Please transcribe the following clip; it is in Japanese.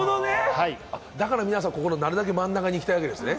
だから皆さん、なるべく真ん中に行きたいわけですね。